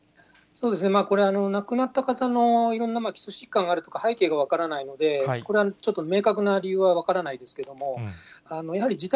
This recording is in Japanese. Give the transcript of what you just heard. これは亡くなった方のいろんな基礎疾患があるとか、背景が分からないので、これはちょっと明確な理由は分からないですけれども、やはり自宅